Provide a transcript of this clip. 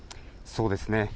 そうですね。